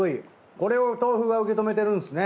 これを豆腐が受け止めてるんすね。